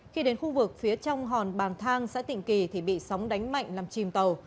khi đến khu vực phía trong hòn bàn thang xã tịnh kỳ thì bị sóng đánh mạnh làm chìm tàu